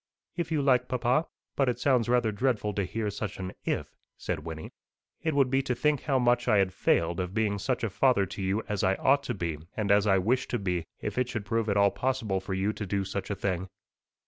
"If you like, papa. But it sounds rather dreadful to hear such an if" said Wynnie. "It would be to think how much I had failed of being such a father to you as I ought to be, and as I wished to be, if it should prove at all possible for you to do such a thing."